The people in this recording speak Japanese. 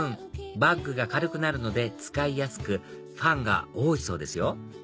バッグが軽くなるので使いやすくファンが多いそうですよ